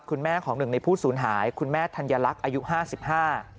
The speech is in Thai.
คุณแม่ของหนึ่งในผู้สูญหายคุณแม่ธัญลักษณ์อายุห้าสิบห้า